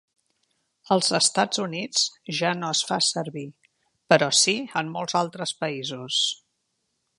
Als Estats Units ja no es fa servir, però sí en molts altres països.